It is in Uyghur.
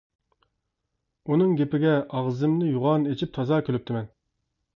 ئۇنىڭ گېپىگە ئاغزىمنى يوغان ئېچىپ تازا كۈلۈپتىمەن.